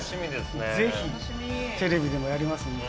ぜひテレビでもやりますんで。